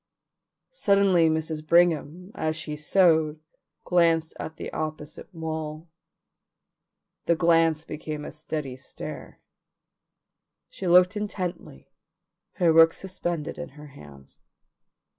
Suddenly Mrs. Brigham as she sewed glanced at the opposite wall. The glance became a steady stare. She looked intently, her work suspended in her hands.